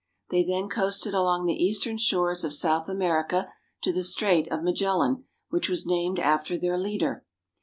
They then coasted along the eastern shores of South America to the Strait of Magellan, which was named after their leader.